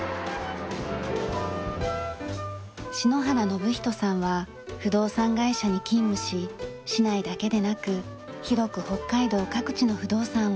篠原伸人さんは不動産会社に勤務し市内だけでなく広く北海道各地の不動産を取引しています。